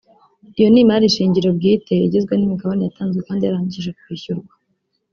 Iyo ni Imari shingiro bwite igizwe n’imigabane yatanzwe kandi yarangije kwishyurwa